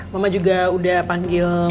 mama juga udah panggil